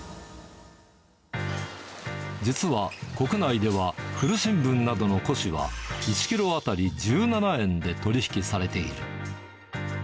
実は国内では、古新聞などの古紙は１キロ当たり１７円で取り引きされている。